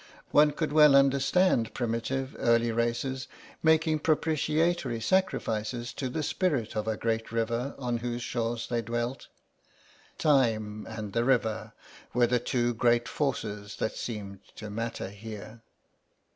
One could well understand primitive early races making propitiatory sacrifices to the spirit of a great river on whose shores they dwelt. Time and the river were the two great forces that seemed to matter here.